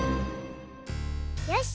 よし！